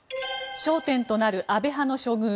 焦点となる安倍派の処遇